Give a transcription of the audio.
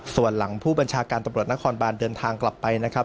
ส่วนหลังผู้บัญชาการตำรวจนครบานเดินทางกลับไปนะครับ